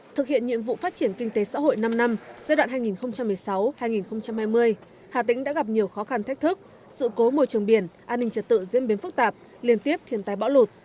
thực hiện nhiệm vụ phát triển kinh tế xã hội năm năm giai đoạn hai nghìn một mươi sáu hai nghìn hai mươi hà tĩnh đã gặp nhiều khó khăn thách thức sự cố môi trường biển an ninh trật tự diễn biến phức tạp liên tiếp thiền tài bão lụt